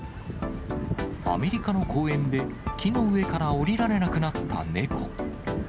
アメリカの公園で、木の上から下りられなくなった猫。